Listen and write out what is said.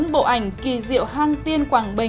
bộ ảnh kỳ diệu hang tiên quảng độ